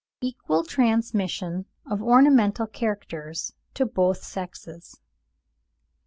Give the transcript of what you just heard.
EQUAL TRANSMISSION OF ORNAMENTAL CHARACTERS TO BOTH SEXES.